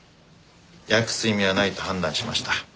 訳す意味はないと判断しました。